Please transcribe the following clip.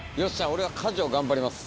俺は舵を頑張ります。